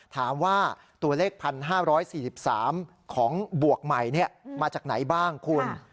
ถามว่าตัวเลข๑๕๔๓ของบวกใหม่มาจากไหนบ้างคุณ